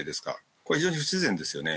これ、非常に不自然ですよね。